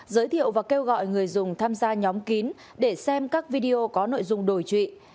giới thiệu và kêu gọi người dùng tham gia nhóm kín để xem các video có nội dung đổi trụy